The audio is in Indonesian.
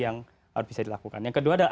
yang harus bisa dilakukan yang kedua ada